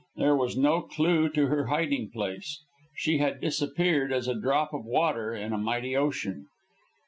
There was no clue to her hiding place. She had disappeared as a drop of water in a mighty ocean.